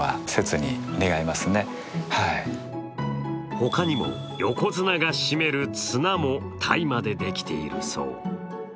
他にも横綱が締める綱も大麻でできているそう。